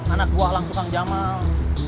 anak buah langsung kang jamal